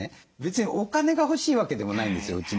別にお金が欲しいわけでもないんですよ